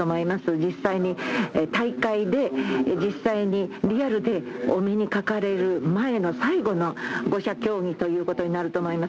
実際に大会で実際にリアルでお目にかかれる前の最後の５者協議ということになると思います。